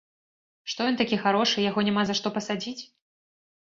Што ён такі харошы, яго няма за што пасадзіць?